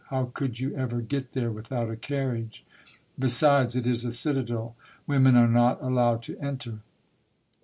How could you ever get there without a carriage? Besides, it is a citadel. Women are not allowed to enter."